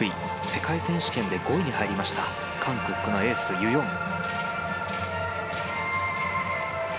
世界選手権で５位に入りました韓国のエース、ユ・ヨン。